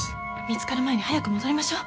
見つかる前に早く戻りましょ。